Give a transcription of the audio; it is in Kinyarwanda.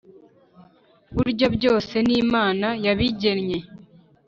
burya byose ni imana yabigennye